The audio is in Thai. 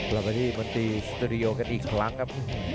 เราไปที่มนตรีสตูดิโอกันอีกครั้งครับ